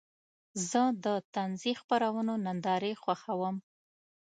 زه د طنزي خپرونو نندارې خوښوم.